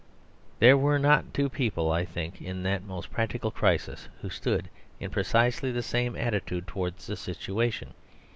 There were not two people, I think, in that most practical crisis who stood in precisely the same attitude towards the situation.